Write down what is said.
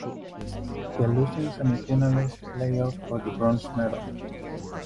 The losing semifinalists play off for the bronze medal.